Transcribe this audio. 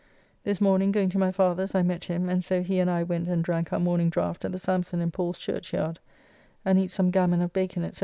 This morning going to my father's I met him, and so he and I went and drank our morning draft at the Samson in Paul's Churchyard, and eat some gammon of bacon, &c.